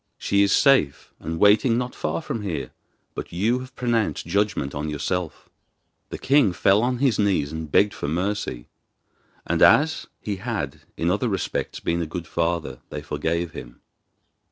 She is safe, and waiting not far from here; but you have pronounced judgment on yourself.' Then the king fell on his knees and begged for mercy; and as he had in other respects been a good father, they forgave him.